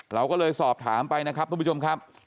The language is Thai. เราก็เลยสอบถามไปนะครับทุกผู้ชมครับ